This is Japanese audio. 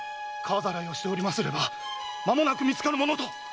川浚いをしておりますればまもなく見つかるものと！